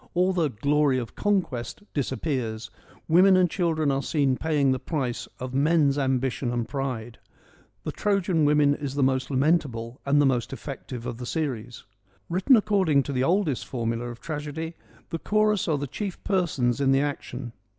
All the glory of conquest ' disappears : women and children are seen paying the price of men's ambition and pride. The Trojan Women is the most lamentable and the most effective of the series. Written according to the oldest formula of tragedy, the chorus are the chief persons in the action.